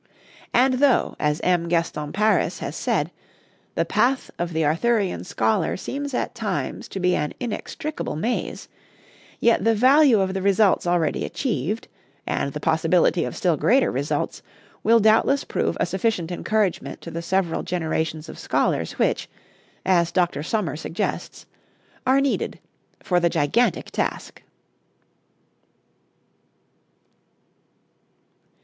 And though, as M. Gaston Paris has said, the path of the Arthurian scholar seems at times to be an inextricable maze, yet the value of the results already achieved, and the possibility of still greater results, will doubtless prove a sufficient encouragement to the several generations of scholars which, as Dr. Sommer suggests, are needed for the gigantic task.